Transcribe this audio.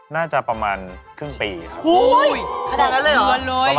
น่าจะประมาณครึ่งปีครับ